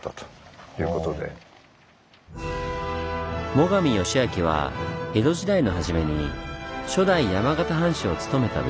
最上義光は江戸時代の初めに初代山形藩主を務めた武将。